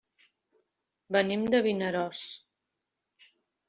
Venim de Vinaròs.